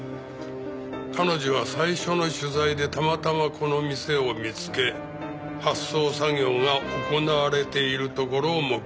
彼女は最初の取材でたまたまこの店を見つけ発送作業が行われているところを目撃した。